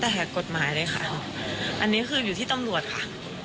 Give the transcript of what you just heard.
แต่กฎหมายเลยค่ะอันนี้คืออยู่ที่ตำรวจค่ะ